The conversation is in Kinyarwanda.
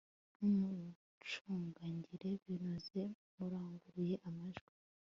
mumucurangire binoze muranguruye amajwi